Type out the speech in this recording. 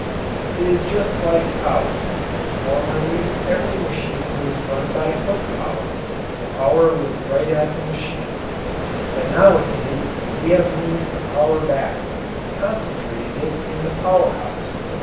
It is just like power: formerly every machine was run by foot power; the power was right at the machine. But nowadays we have moved the power back concentrated it in the power house.